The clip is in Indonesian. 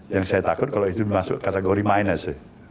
yang saya takut kalau itu masuk kategori minus